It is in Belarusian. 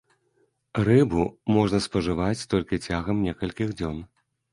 Рыбу можна спажываць толькі цягам некалькіх дзён.